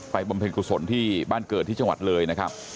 บำเพ็ญกุศลที่บ้านเกิดที่จังหวัดเลยนะครับ